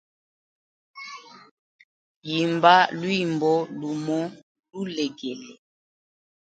Yimba lwimbo lumo lulegele.